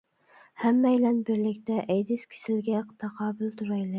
ھەممەيلەن بىرلىكتە ئەيدىز كېسىلىگە تاقابىل تۇرايلى!